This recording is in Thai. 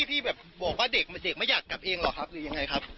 พี่แบบบอกว่าเด็กไม่อยากกลับเองหรอกครับหรือยังไงครับ